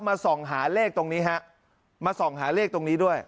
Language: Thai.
ส่องหาเลขตรงนี้ฮะมาส่องหาเลขตรงนี้ด้วย